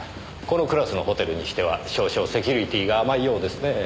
このクラスのホテルにしては少々セキュリティーが甘いようですね。